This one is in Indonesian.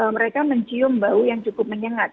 mereka mencium bau yang cukup menyengat